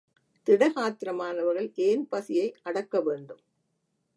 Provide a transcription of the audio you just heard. திடகாத்திரமானவர்கள் ஏன் பசியை அடக்க வேண்டும்.